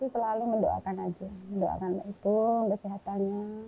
selalu mendoakan ipung kesehatannya